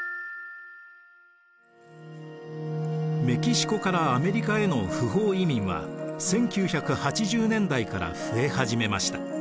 メキシコからアメリカへの不法移民は１９８０年代から増え始めました。